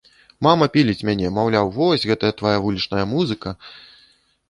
Мама піліць мяне, маўляў, вось, гэтая твая вулічная музыка.